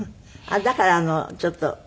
だからちょっと。